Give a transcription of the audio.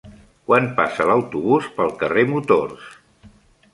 Quan passa l'autobús pel carrer Motors?